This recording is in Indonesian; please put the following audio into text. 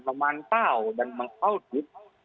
memantau dan mengaudit